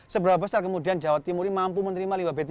seberapa besar kemudian jawa timur ini